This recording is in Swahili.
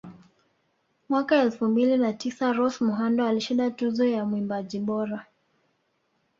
Mwaka elfu mbili na tisa Rose Muhando alishinda Tuzo ya Mwimbaji bora